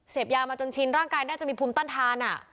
ยามาจนชินร่างกายน่าจะมีภูมิต้านทาน